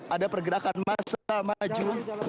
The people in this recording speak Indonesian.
ada pergerakan masa maju